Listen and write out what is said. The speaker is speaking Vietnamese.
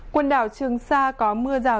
quần đảo trường sa có mưa rào